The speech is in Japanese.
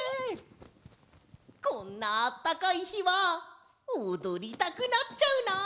こんなあったかいひはおどりたくなっちゃうな！